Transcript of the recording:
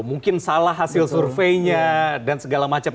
mungkin salah hasil surveinya dan segala macam